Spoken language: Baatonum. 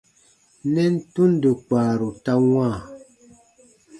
Nɛn tundo kpaaru ta wãa.